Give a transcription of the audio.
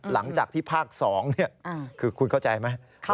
หลังจากที่ภาค๒คือคุณเข้าใจไหม